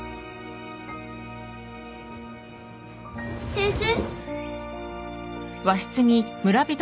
先生？